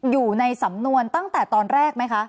อยู่ในสำนวนตั้งแต่ตอนแรกไหมคะ